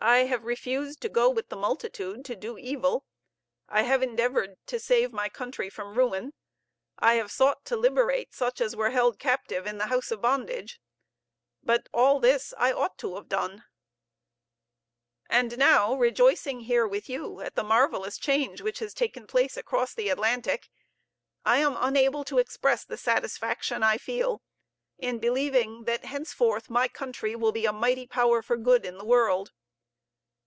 I have refused to go with the multitude to do evil. I have endeavored to save my country from ruin. I have sought to liberate such as were held captive in the house of bondage. But all this I ought to have done. And now, rejoicing here with you at the marvellous change which has taken place across the Atlantic, I am unable to express the satisfaction I feel in believing that, henceforth, my country will be a mighty power for good in the world.